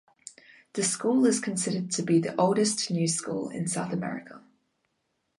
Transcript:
The school is considered to be the oldest new school in South America.